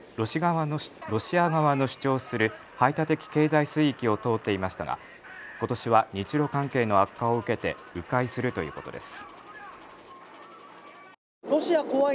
ロシア側の主張する排他的経済水域を通っていましたが、ことしは日ロ関係の悪化を受けてう回するということです。